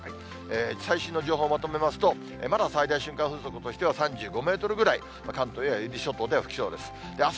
最新の情報まとめますと、まだ最大瞬間風速としては３５メートルぐらい、関東や伊豆諸島では吹きそうです。